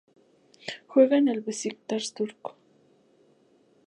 Juega en el Beşiktaş turco.